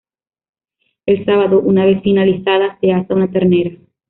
El sábado, una vez finalizada, se asa una ternera.